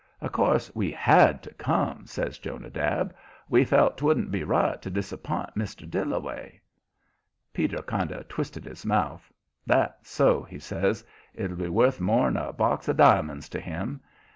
"Of course, we HAD to come," says Jonadab. "We felt 'twouldn't be right to disapp'int Mr. Dillaway." Peter kind of twisted his mouth. "That's so," he says. "It'll be worth more'n a box of diamonds to him.